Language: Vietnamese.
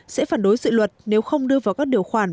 sẽ phản đối dự luật nếu không đưa vào các điều khoản